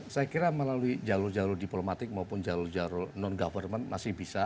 saya kira melalui jalur jalur diplomatik maupun jalur jalur non government masih bisa